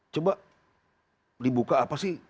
coba dibuka apa sih